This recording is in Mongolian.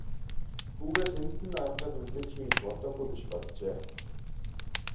Хүүгээ тэнд нь аргалаад үлдээчихье гэж бодоогүй биш боджээ.